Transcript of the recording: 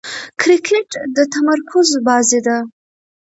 کرکټ د تمرکز بازي ده.